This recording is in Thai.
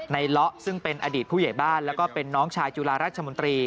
เลาะซึ่งเป็นอดีตผู้ใหญ่บ้านแล้วก็เป็นน้องชายจุฬาราชมนตรี